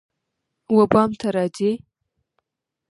وبام ته راځی